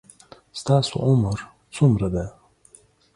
ستاسو عمر څومره ده